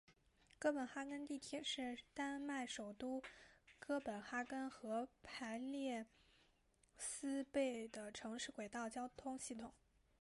哥本哈根地铁是丹麦首都哥本哈根和腓特烈斯贝的城市轨道交通系统。